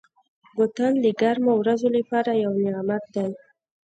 بوتل د ګرمو ورځو لپاره یو نعمت دی.